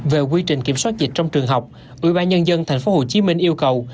về quy trình kiểm soát dịch trong trường học ubnd tp hcm yêu cầu